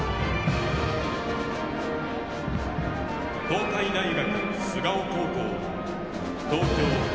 東海大学菅生高校・東京。